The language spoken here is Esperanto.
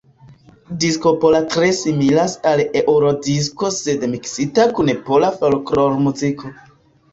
Disko polo tre similas al Eurodisko sed miksita kun pola folklormuziko.